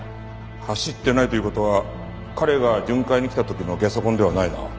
走ってないという事は彼が巡回に来た時のゲソ痕ではないな。